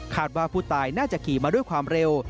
ว่าผู้ตายน่าจะขี่มาด้วยความเร็ว